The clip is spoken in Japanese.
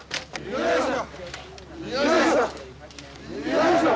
よいしょ！